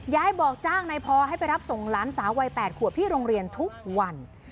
ยายบอกจ้างนายพอให้ไปรับส่งหลานสาววัย๘ขวบที่โรงเรียนทุกวัน